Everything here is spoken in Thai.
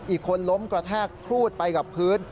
อีกคนล้มกระแทกครูดไปกับพื้น